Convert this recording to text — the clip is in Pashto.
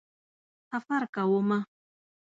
سفر کومه